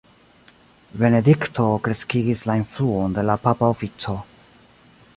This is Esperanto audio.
Benedikto kreskigis la influon de la papa ofico.